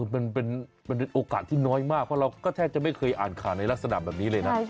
มันเป็นโอกาสที่น้อยมากเพราะเราก็แทบจะไม่เคยอ่านข่าวในลักษณะแบบนี้เลยนะ